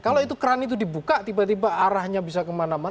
kalau itu keran itu dibuka tiba tiba arahnya bisa kemana mana